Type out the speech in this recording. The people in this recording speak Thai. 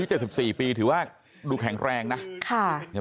ใช่ไอ้วาร์มก่อลงน้ำ